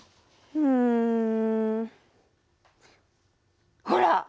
うん。ほら！